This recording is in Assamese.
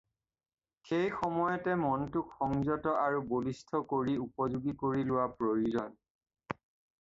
সেই সময়তে মনটোক সংযত আৰু বলিষ্ঠ কৰি উপযােগী কৰি লােৱা প্ৰয়ােজন।